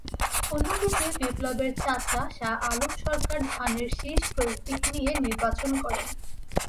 অন্যদিকে বিপ্লবের চাচা শাহ আলম সরকার ধানের শীষ প্রতীক নিয়ে নির্বাচন করেন।